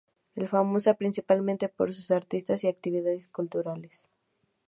Es famosa principalmente por sus artistas y actividades culturales.